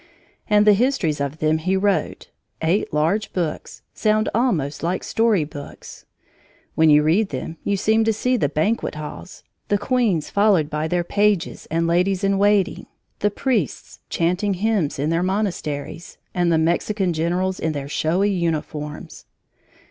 And the histories of them he wrote (eight large books) sound almost like story books; when you read them you seem to see the banquet halls, the queens followed by their pages and ladies in waiting, the priests chanting hymns in their monasteries, and the Mexican generals in their showy uniforms.